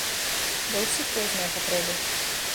Ва ўсіх розныя патрэбы.